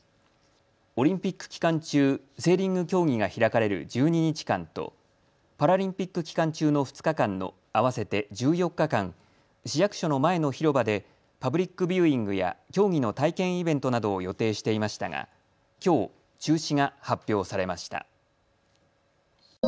オリンピック期間中セーリング競技が開かれる１２日間とパラリンピック期間中の２日間の合わせて１４日間、市役所の前の広場でパブリックビューイングや競技の体験イベントなどを予定していましたがきょう、中止が発表されました。